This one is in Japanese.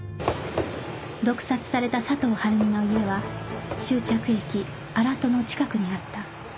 毒殺された佐藤晴美の家は終着駅荒砥の近くにあった